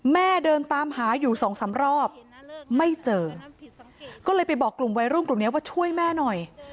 เดินตามหาอยู่สองสามรอบไม่เจอก็เลยไปบอกกลุ่มวัยรุ่นกลุ่มนี้ว่าช่วยแม่หน่อย